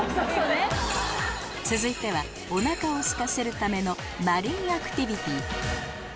続いてはお腹をすかせるためのマリンアクティビティー